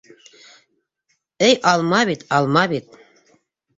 Эй алма бит, алма бит